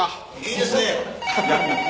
いいですね！